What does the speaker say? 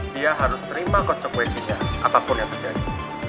dia harus terima konsekuensinya apapun yang terjadi